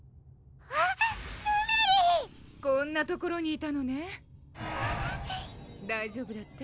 こんな所にいたのね大丈夫だった？